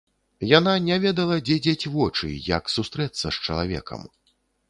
Яна не ведала, дзе дзець вочы, як сустрэцца з чалавекам.